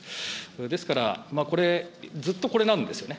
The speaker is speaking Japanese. ですから、これ、ずっとこれなんですよね。